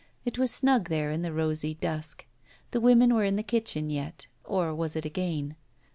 It was snug there in the rosied dusk. The women were in the kitchen yet, or was it again